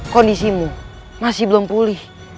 kondisimu masih belum pulih